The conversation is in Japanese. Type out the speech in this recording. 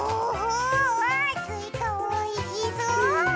わあすいかおいしそう！